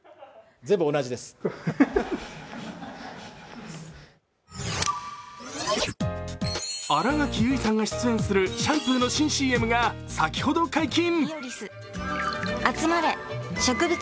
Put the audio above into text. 今では新垣結衣さんが出演するシャンプーの新ＣＭが先ほど解禁。